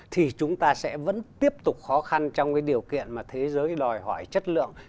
thì chúng ta sẽ vẫn tiếp tục khó khăn trong cái điều kiện mà thế giới đòi hỏi chất lượng